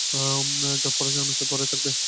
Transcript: পরে জন্মেছ, পরেই থাকবে।